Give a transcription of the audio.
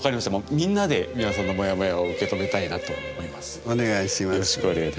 みんなで美輪さんのモヤモヤを受け止めたいなと思います。